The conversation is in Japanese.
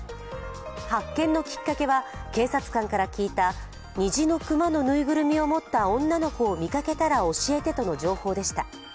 発見のきっかけは警察官から聞いた虹の熊のぬいぐるみを持った女の子を見かけたら教えてという情報でした。